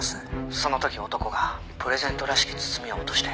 「その時男がプレゼントらしき包みを落として」